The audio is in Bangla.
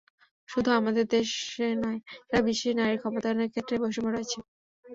শুধু আমাদের দেশে নয়, সারা বিশ্বেই নারীর ক্ষমতায়নের ক্ষেত্রে বৈষম্য রয়েছে।